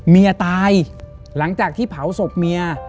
เมียตายหลังจากที่เผาศพเมีย